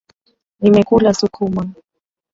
Nimekula sukuma.